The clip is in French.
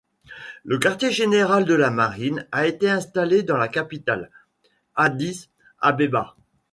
Le quartier général de la marine a été installé dans la capitale, Addis-Abeba.